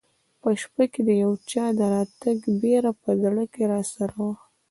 په شپه کې د یو چا د راتګ بېره په زړه کې راسره وه.